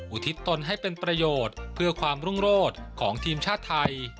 อุทิศตนให้เป็นประโยชน์เพื่อความรุ่งโรธของทีมชาติไทย